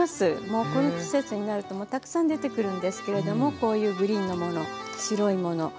もうこの季節になるともうたくさん出てくるんですけれどもこういうグリーンのもの白いもの